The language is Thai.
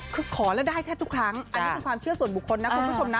คือขอแล้วได้แทบทุกครั้งอันนี้เป็นความเชื่อส่วนบุคคลนะคุณผู้ชมนะ